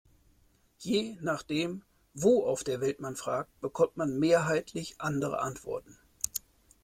Je nachdem, wo auf der Welt man fragt, bekommt man mehrheitlich andere Antworten.